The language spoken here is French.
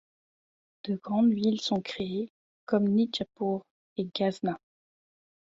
De grandes villes sont créées, comme Nichapour et Ghazna.